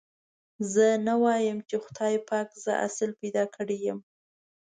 زه نه وايم چې خدای پاک زه اصيل پيدا کړي يم.